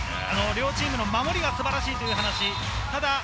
両チームのお守りが素晴らしいという話。